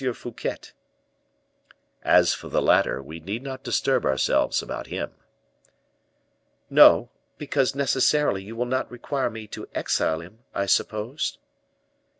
Fouquet." "As for the latter, we need not disturb ourselves about him." "No; because necessarily you will not require me to exile him, I suppose?"